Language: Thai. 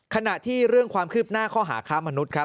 ขณะที่เรื่องความคืบหน้าข้อหาค้ามนุษย์ครับ